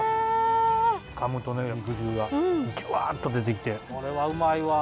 かむと肉汁がじゅわっと出てきてこれはうまいわ。